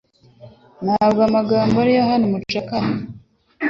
Nta bwo amagambo ari yo ahana umucakara